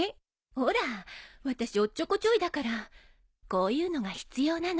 ほら私おっちょこちょいだからこういうのが必要なの。